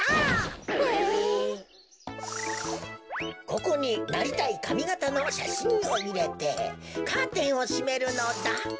ここになりたいかみがたのしゃしんをいれてカーテンをしめるのだ。